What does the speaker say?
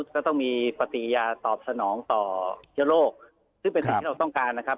ก็ต้องมีปฏิญาตอบสนองต่อเชื้อโรคซึ่งเป็นสิ่งที่เราต้องการนะครับ